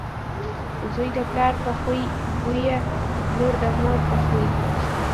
زوی دپلار په خوی بويه، لور دمور په خوی .